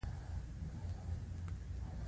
یو بل ګیلاس مو هم ډک کړ.